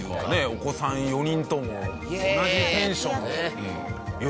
お子さん４人とも同じテンションで喜んでるし。